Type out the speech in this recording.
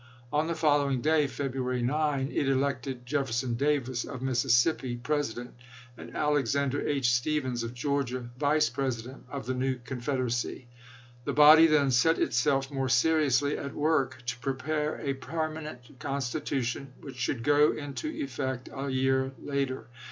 On the following day (February 9) it elected Jefferson Davis, of Mis sissippi, President, and Alexander H. Stephens, of Georgia, Vice President, of the new Confederacy. The body then set itself more seriously at work to prepare a permanent constitution which should go into effect a year later.